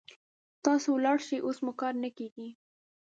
تاسې ولاړ شئ، اوس مو کار نه کيږي.